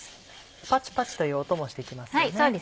パチパチという音もしてきますよね。